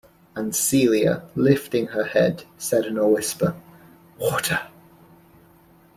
And Celia, lifting her head, said in a whisper: "Water!"